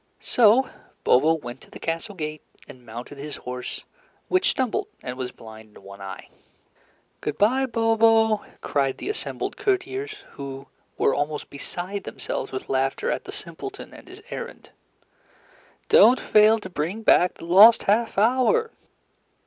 So Bobo went to the castle gate, and mounted his horse, which stumbled and was blind in one eye. "Good bye, Bobo," cried the assembled courtiers, who were almost beside themselves with laughter at the simpleton and his errand. "Don't fail to bring back the lost half hour!"